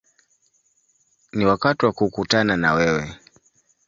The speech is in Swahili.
Ni wakati wa kukutana na wewe”.